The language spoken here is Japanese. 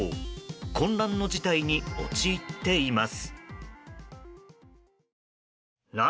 混乱の事態に陥っています。